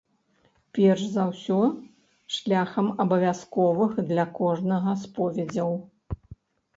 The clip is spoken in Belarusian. Перш за ўсё шляхам абавязковых для кожнага споведзяў.